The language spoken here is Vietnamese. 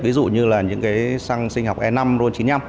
ví dụ như là những cái săng sinh học e năm r chín mươi năm